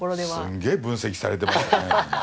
すんげえ分析されてますね。